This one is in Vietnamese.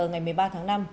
ngày một mươi ba tháng năm